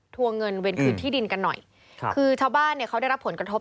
ของชาวบ้านเนี่ยเขาได้รับผลกระทบ